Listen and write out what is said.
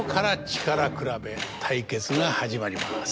対決が始まります。